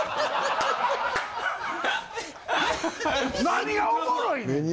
何がおもろいねん。